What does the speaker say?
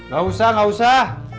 gak usah gak usah